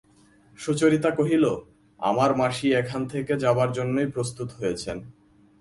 সুচরিতা কহিল, আমার মাসি এখান থেকে যাবার জন্যেই প্রস্তুত হয়েছেন।